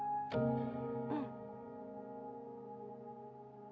うん。